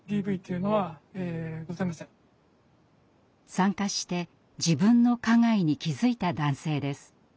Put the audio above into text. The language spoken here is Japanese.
参加して自分の加害に気付いた男性です。